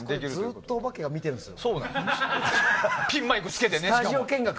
ずっとお化けが見てるんですよ。